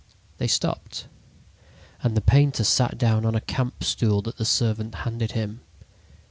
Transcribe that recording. They stopped, and the painter sat down on a camp stool that the servant handed him.